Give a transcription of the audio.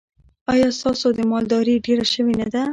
ایا ستاسو مالداري ډیره شوې نه ده؟